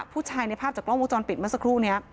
ผู้ชายในภาพจากกล้องวงจรปิดเมื่อสักครู่นี้